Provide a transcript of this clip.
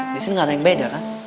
disini gak ada yang beda kan